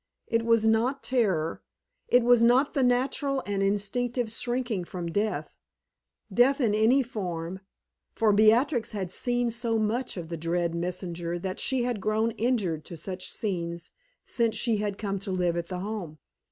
It was not terror, it was not the natural and instinctive shrinking from death death in any form; for Beatrix had seen so much of the dread messenger that she had grown inured to such scenes since she had come to live at the Home.